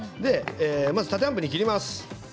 まずは縦半分に切ります。